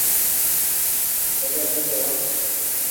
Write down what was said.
na isiyo ya heshima kwa watu waliokaa mezani Angalia mwendo wa